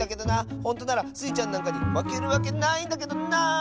ほんとならスイちゃんなんかにまけるわけないんだけどな。